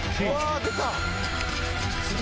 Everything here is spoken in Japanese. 出た！